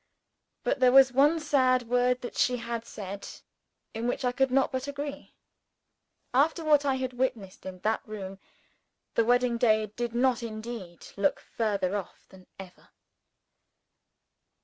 But there was one sad word that she had said, in which I could not but agree. After what I had witnessed in that room, the wedding day did indeed look further off than ever.